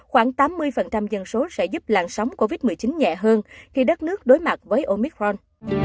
khoảng tám mươi dân số sẽ giúp làn sóng covid một mươi chín nhẹ hơn khi đất nước đối mặt với omicron